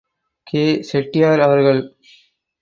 K. Chettiar அவர்கள்.